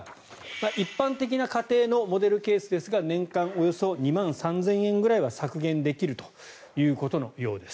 一般的な家庭のモデルケースですが年間およそ２万３０００円ぐらいは削減できるということのようです。